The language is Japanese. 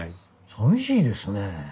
さみしいですね。